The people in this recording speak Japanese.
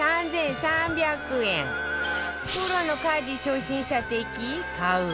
プロの家事初心者的買う？